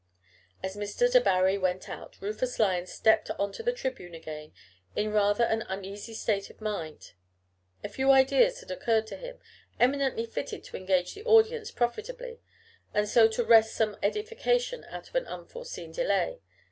As Mr. Debarry went out, Rufus Lyon stepped on to the tribune again in rather an uneasy state of mind. A few ideas had occurred to him, eminently fitted to engage the audience profitably, and so to wrest some edification out of an unforeseen delay.